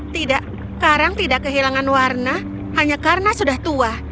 tidak karang tidak kehilangan warna hanya karena sudah tua